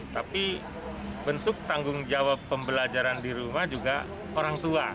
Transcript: tapi bentuk tanggung jawab pembelajaran di rumah juga orang tua